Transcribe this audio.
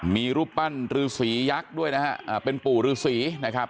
มีรูปปั้นรือสียักษ์ด้วยนะฮะเป็นปู่ฤษีนะครับ